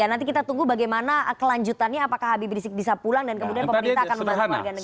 nanti kita tunggu bagaimana kelanjutannya apakah habib rizieq bisa pulang dan kemudian pemerintah akan pulang